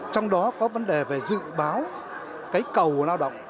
trong đó có vấn đề về dự báo cầu lao động